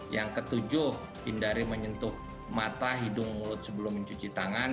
yang ketujuh hindari menyentuh mata hidung mulut sebelum mencuci tangan